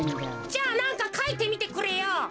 じゃあなんかかいてみてくれよ。